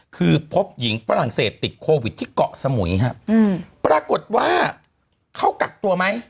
คือพบหญิงฝรั่งเศสติดโควิดที่เกาะสมุยครับปรากฏว่าเขากักตัวไหม